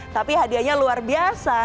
tapi hadiahnya luar biasa